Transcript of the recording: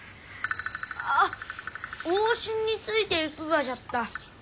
あっ往診についていくがじゃった。